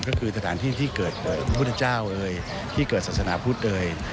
ก็คือสถานที่ที่เกิดพระพุทธเจ้าเอ่ยที่เกิดศาสนาพุทธเอ่ย